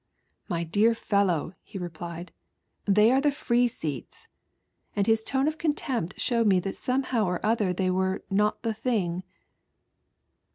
" My dear fellow," he replied, " they are the free Beats," and his tone of contempt showed me that somehow or other they " were not the thing."